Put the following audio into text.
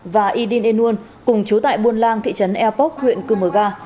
và y đinh e nuân cùng chú tại buôn lang thị trấn airpoc huyện cư mờ ga